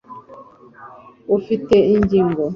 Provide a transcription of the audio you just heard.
ufite ingingo